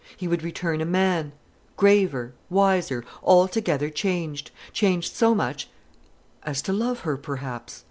He would return a man, graver, wiser, altogether changed: changed so much as to love her perhaps.